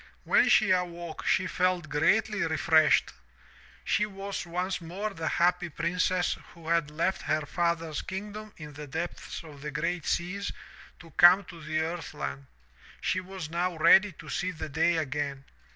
''When she awoke she felt greatly refreshed. She was once more the happy princess who had left her father's kingdom in the depths of the great seas to come to the earth land. She was now ready to see the day again.